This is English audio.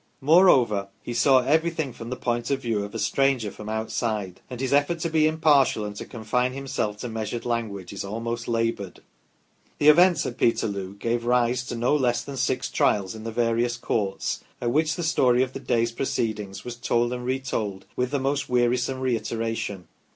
Moreover, he saw everything from the point of view of a stranger from outside ; and his effort to be impartial and to confine himself to measured language is almost laboured. The events at Peterloo gave rise to no less than six trials in the various courts, at which the story of the day's proceedings was told and retold with the most wearisome reiteration.